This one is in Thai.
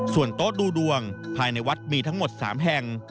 ส่วนโต๊ะดูดวงภายในวัดมีทั้งหมด๓แห่ง